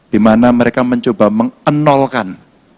di mana mereka mencoba mengenolkan